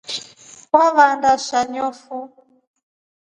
Wavanda sha njofu.